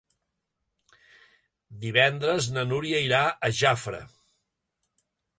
Divendres na Núria irà a Jafre.